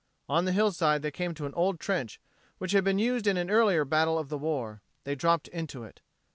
On the hillside they came to an old trench, which had been used in an earlier battle of the war. They dropped into it.